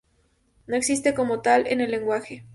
No existe como tal en el lenguaje.